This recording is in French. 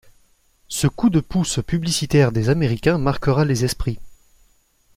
Ce coup de pouce publicitaire des Américains marquera les esprits.